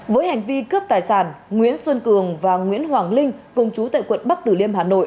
với hành vi cướp tài sản nguyễn xuân cường và nguyễn hoàng linh cùng chú tại quận bắc tử liêm hà nội